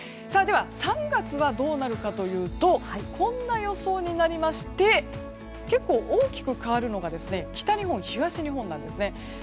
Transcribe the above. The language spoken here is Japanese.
では、３月はどうなるかというとこんな予想になりまして結構大きく変わるのが北日本、東日本なんですね。